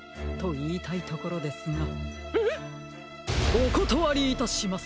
おことわりいたします！